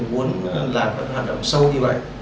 muốn làm các hoạt động sâu như vậy